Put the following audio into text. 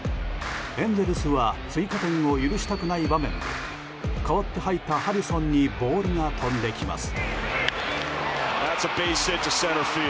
エンゼルスは追加点を許したくない場面で代わって入ったハリソンにボールが飛んできます。